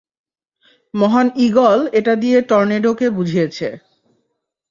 মহান ঈগল এটা দিয়ে টর্নেডোকে বুঝিয়েছে।